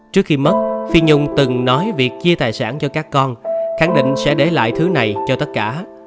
trước khi mất phi nhung từng nói việc chia tài sản cho các con khẳng định sẽ để lại thứ này cho tất cả